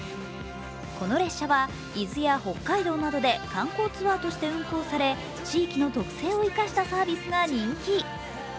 この列車は伊豆や北海道などで観光ツアーとして運行され、地域の特性を生かしたサービスが人気。